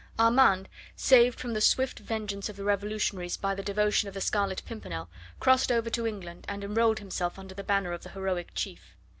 Armand, saved from the swift vengeance of the revolutionaries by the devotion of the Scarlet Pimpernel, crossed over to England and enrolled himself under the banner of the heroic chief.